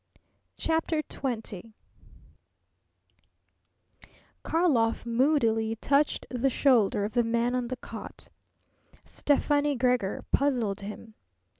CHAPTER XX Karlov moodily touched the shoulder of the man on the cot. Stefani Gregor puzzled him.